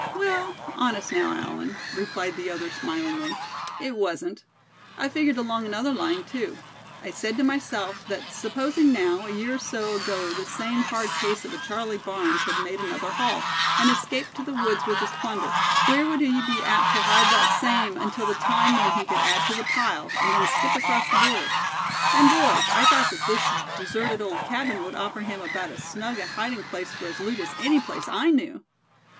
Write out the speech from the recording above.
"Well, honest now, Allan," replied the other, smilingly, "it wasn't. I figured along another line too. I said to myself, that supposing now, a year or so ago this same hard case of a Charlie Barnes had made another haul, and escaped to the woods with his plunder, where would he be apt to hide that same until the time when he could add to the pile, and then skip across the border? And boys, I thought that this deserted old cabin would offer him about as snug a hiding place for his loot as any place I knew!"